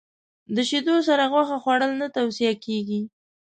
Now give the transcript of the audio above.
د شیدو سره غوښه خوړل نه توصیه کېږي.